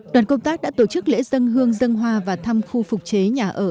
đoàn công tác đã tổ chức lễ dân hương dân hoa và thăm khu phục chế nhà ở